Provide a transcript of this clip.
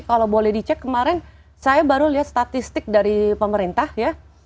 kalau boleh dicek kemarin saya baru lihat statistik dari pemerintah ya